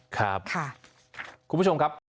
คุณผู้ชมครับ